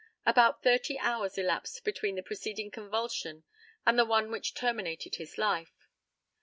About thirty hours elapsed between the preceding convulsion and the one which terminated his life.